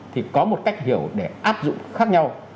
thì có một cách hiểu để áp dụng khác nhau